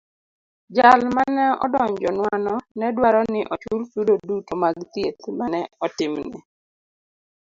Jal mane odonjonwano ne dwaro ni ochul chudo duto mag thieth mane otimne.